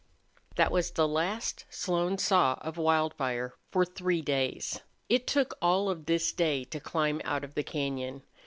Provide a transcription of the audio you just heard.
III That was the last Slone saw of Wildfire for three days. It took all of this day to climb out of the cañon.